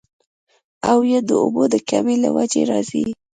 او يا د اوبو د کمۍ له وجې راځي